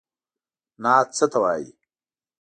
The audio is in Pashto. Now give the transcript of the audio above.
نعت څه ته وايي.